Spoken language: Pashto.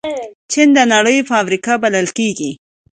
چین د نړۍ فابریکې بلل کېږي.